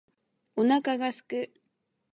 お腹が空く